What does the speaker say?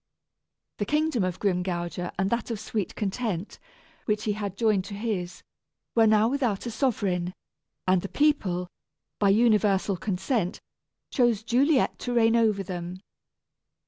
The kingdom of Grimgouger and that of Sweet Content, which he had joined to his, were now without a sovereign, and the people, by universal consent, chose Juliet to reign over them.